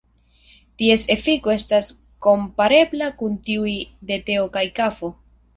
Ties efiko estas komparebla kun tiuj de teo kaj kafo.